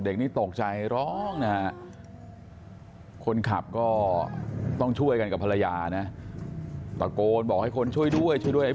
เด็กนี้ตกใจร้องนะฮะคนขับก็ต้องช่วยกันกับภรรยานะตะโกนบอกให้คนช่วยด้วยช่วยด้วย